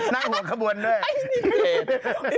นั่งหัวขบวนด้วยเขต